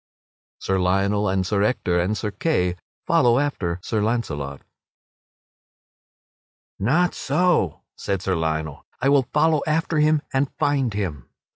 [Sidenote: Sir Lionel and Sir Ector and Sir Kay follow after Sir Launcelot] "Not so," said Sir Lionel, "I will follow after him, and find him."